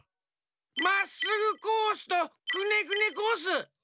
まっすぐコースとくねくねコース！